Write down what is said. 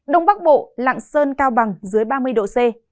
đông bắc bộ lạng sơn cao bằng dưới ba mươi độ c